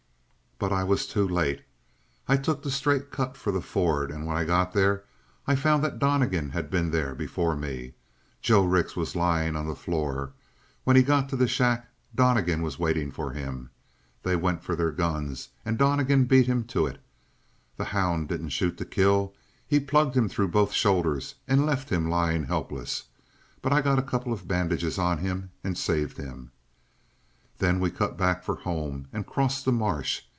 "But I was too late. I took the straight cut for the ford, and when I got there I found that Donnegan had been there before me. Joe Rix was lyin' on the floor. When he got to the shack Donnegan was waitin' for him. They went for their guns and Donnegan beat him to it. The hound didn't shoot to kill. He plugged him through both shoulders, and left him lyin' helpless. But I got a couple of bandages on him and saved him. "Then we cut back for home and crossed the marsh.